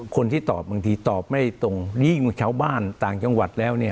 คนที่ตอบบางทีตอบไม่ตรงนี้ชาวบ้านต่างจังหวัดแล้วเนี่ย